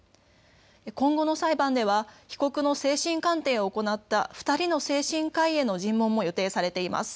今後の裁判では被告の精神鑑定を行った２人の精神科医への尋問も予定されています。